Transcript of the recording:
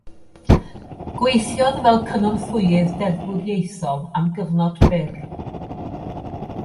Gweithiodd fel cynorthwyydd deddfwriaethol am gyfnod byr.